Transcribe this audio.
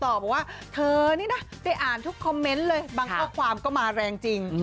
บอกว่าเธอนี่นะได้อ่านทุกคอมเมนต์เลยบางข้อความก็มาแรงจริง